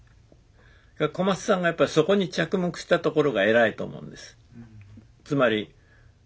小松さんがやっぱりそこに着目したところが偉いと思うんです。